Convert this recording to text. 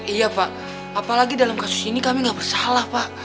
iya pak apalagi dalam kasus ini kami nggak bersalah pak